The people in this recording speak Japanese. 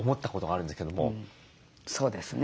そうですね。